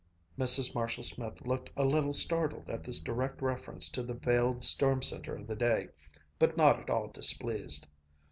Mrs. Marshall Smith looked a little startled at this direct reference to the veiled storm center of the day, but not at all displeased.